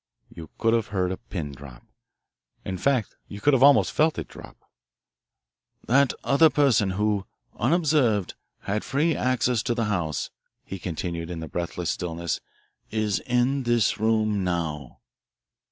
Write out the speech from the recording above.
You could have heard a pin drop. In fact you could almost have felt it drop. "That other person who, unobserved, had free access to the house," he continued in the breathless stillness, "is in this room now."